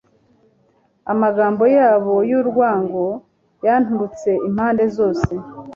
Amagambo yabo y’urwango yanturutse impande zose